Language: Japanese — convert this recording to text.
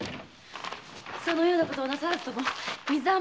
そのようなことをなさらずとも水はもらえます。